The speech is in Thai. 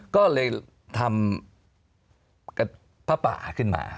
ก็เลยทำผ้าป่าขึ้นมา